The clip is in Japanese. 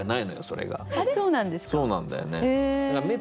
そうなんだよね。